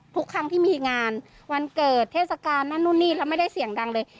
ทุกครั้งที่มีงานวันเกิดเทศกาลนั่นนู่นนี่แล้วไม่ได้เสียงดังเลย